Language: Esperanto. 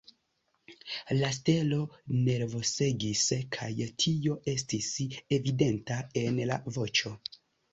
La stelo nervosegis, kaj tio estis evidenta en la voĉo.